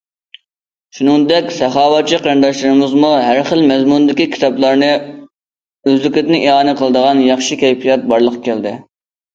شۇنىڭدەك ساخاۋەتچى قېرىنداشلىرىمىزمۇ ھەر خىل مەزمۇندىكى كىتابلارنى ئۆزلۈكىدىن ئىئانە قىلىدىغان ياخشى كەيپىيات بارلىققا كەلدى.